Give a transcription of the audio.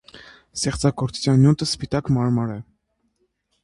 Ստեղծագործության նյութը սպիտակ մարմար է։